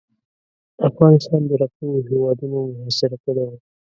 افغانستان د رقیبو هیوادونو محاصره کړی وو.